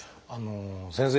先生。